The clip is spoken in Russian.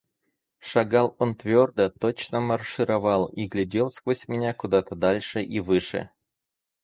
Шагал он твердо, точно маршировал, и глядел сквозь меня куда-то дальше и выше.